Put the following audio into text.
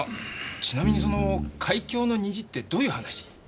ちなみにその『海峡の虹』ってどういう話？